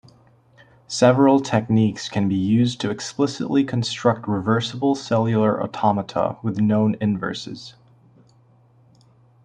Several techniques can be used to explicitly construct reversible cellular automata with known inverses.